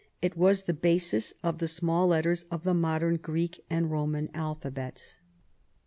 It was the basis of the small letters of the modern Greek and Roman alphabets.